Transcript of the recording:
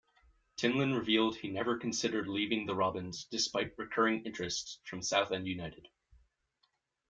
Timlin revealed he never considered leaving the Robins despite recurring interests from Southend United.